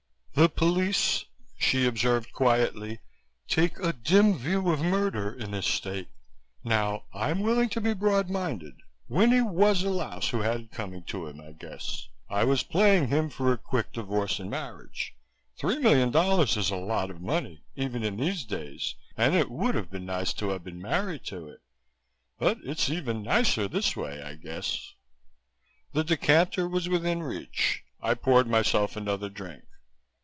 "The police," she observed quietly, "take a dim view of murder in this state. Now I'm willing to be broad minded. Winnie was a louse who had it coming to him, I guess. I was playing him for a quick divorce and marriage. Three million dollars is a lot of money, even in these days, and it would have been nice to have been married to it. But it's even nicer this way, I guess." The decanter was within reach. I poured myself another drink.